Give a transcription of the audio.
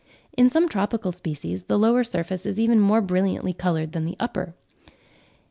In some tropical species the lower surface is even more brilliantly coloured than the upper. (15.